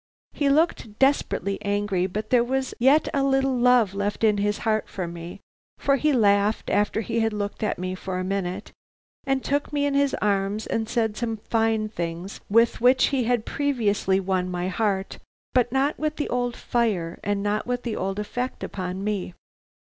"He looked desperately angry, but there was yet a little love left in his heart for me, for he laughed after he had looked at me for a minute, and took me in his arms and said some of the fine things with which he had previously won my heart, but not with the old fire and not with the old effect upon me.